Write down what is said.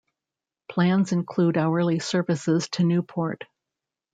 Plans include hourly services to Newport.